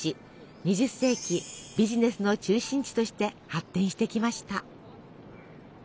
２０世紀ビジネスの中心地として発展してきました。